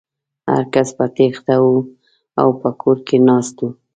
هر کس په تېښته و او په کور کې ناست و.